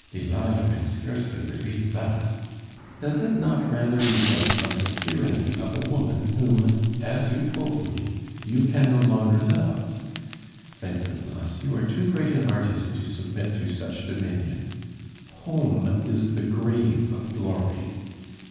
Delilah can scarcely believe that. Does it not rather result from the tyranny of a woman whom, as you told me, you can no longer love? Wenceslas, you are too great an artist to submit to such dominion. Home is the grave of glory.